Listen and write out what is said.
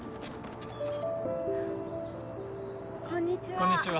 こんにちは。